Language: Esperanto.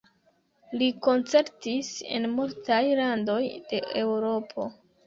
Li koncertis en multaj landoj de Eŭropo.